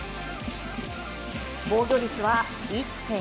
防御率は１．４８。